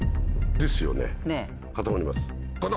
ですよね固まります。